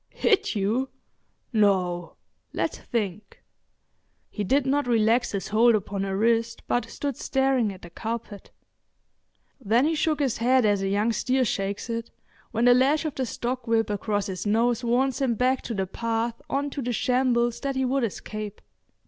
"Hit you! No! Let's think." He did not relax his hold upon her wrist but stood staring at the carpet. Then he shook his head as a young steer shakes it when the lash of the stock whip cross his nose warns him back to the path on to the shambles that he would escape.